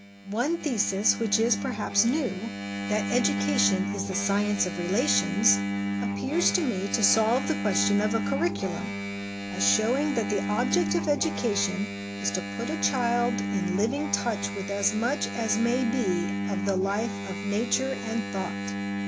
One thesis, which is, perhaps, new, that Educa tion is the Science of Relations, appears to me to solve the question of a curriculum, as showing that the object of education is to put a child in living touch with as much as may be of the life of Nature and of thought.